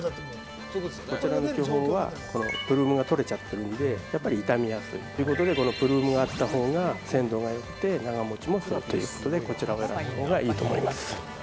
こちらの巨峰はプルームが取れちゃってるんで、傷みやすい。ということでプルームがあった方が鮮度がよくて長持ちもするので、こちらを選んだ方がいいと思います。